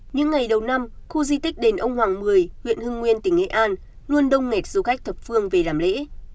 những ngày đầu năm khu di tích đền ông hoàng mười huyện hưng nguyên tỉnh nghệ an luôn đông nghẹt du khách thập phương về làm lễ